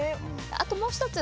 あともう一つ